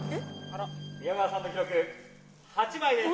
宮川さんの記録８枚です。